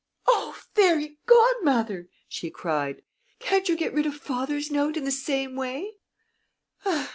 "Oh, Fairy Godmother!" she cried. "Can't you get rid of father's note in the same way?"